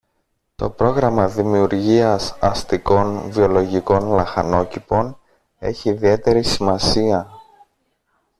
το πρόγραμμα δημιουργίας αστικών βιολογικών λαχανόκηπων έχει ιδιαίτερη σημασία